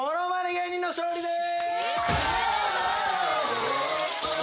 芸人の勝利です。